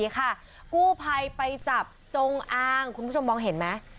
กู้ภัยไปจับจงอ้างคุณผู้ชมมองเห็นไหม